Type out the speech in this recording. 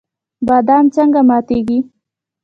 بادام څنګه ماتیږي؟